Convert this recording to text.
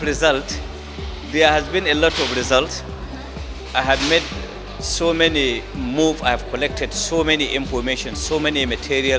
saya telah membuat banyak pergerakan saya telah mengumpulkan banyak informasi banyak material